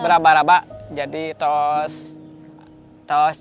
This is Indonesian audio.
berabar abar jadi terus